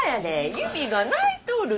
指が泣いとる。